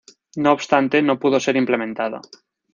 No obstante, no pudo ser implementado.